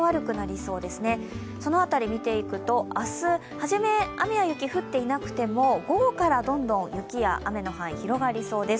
その辺り見ていくと、明日、はじめは雪や雨は降ってなくても午後からどんどん雪や雨の範囲広がりそうです。